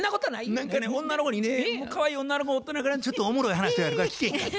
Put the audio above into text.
何か女の子にねかわいい女の子おったらちょっとおもろい話あるから聞かへんかって。